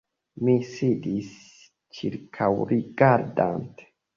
Mi sidis, ĉirkaŭrigardante.